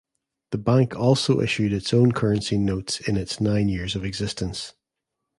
The bank also issued its own currency notes in its nine years of existence.